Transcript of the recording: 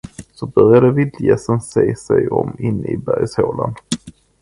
Så började vildgässen se sig om inne i bergshålan.